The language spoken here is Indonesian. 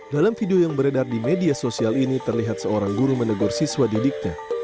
dalam video yang beredar di media sosial ini terlihat seorang guru menegur siswa didiknya